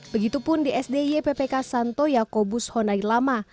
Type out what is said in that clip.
begitupun di sd yppk santo yakobus honai lama